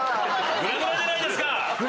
グラグラじゃないですか！